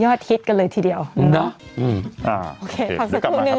ยอดฮิตกันเลยทีเดียวนะอืมอ่าโอเคทำสักครู่หนึ่ง